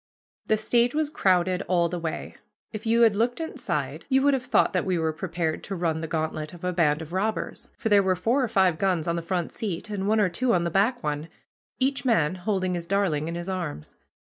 The stage was crowded all the way. If you had looked inside you would have thought that we were prepared to run the gantlet of a band of robbers, for there were four or five guns on the front seat and one or two on the back one, each man holding his darling in his arms.